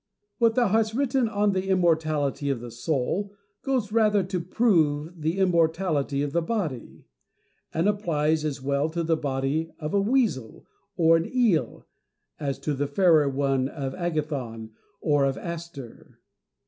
What thou hast written on the immortality of the soul goes rather to prove the immortality of the body ; and applies as well to the body of a weasel or an eel as to the fairer one of Agathon or of Aster.